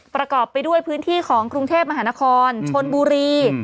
ประกอบไปด้วยพื้นที่ของกรุงเทพมหานครชนบุรี